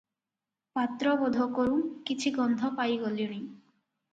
ପାତ୍ର ବୋଧ କରୁଁ କିଛି ଗନ୍ଧ ପାଇ ଗଲେଣି ।